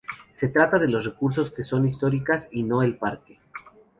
Se trata de los recursos que son históricas, y no el parque.